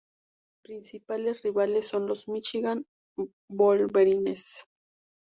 Sus principales rivales son los Michigan Wolverines.